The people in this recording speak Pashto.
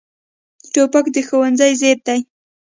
توپک د ښوونځي ضد دی.